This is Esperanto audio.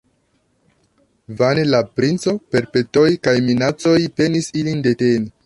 Vane la princo per petoj kaj minacoj penis ilin deteni.